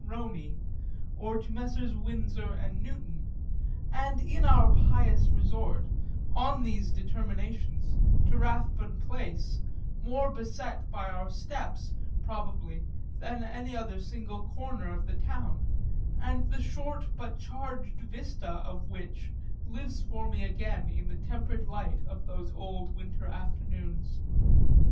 Rowney or to Messrs. Windsor and Newton, and in our pious resort, on these determinations, to Rathbone Place, more beset by our steps, probably, than any other single corner of the town, and the short but charged vista of which lives for me again in the tempered light of those old winter afternoons.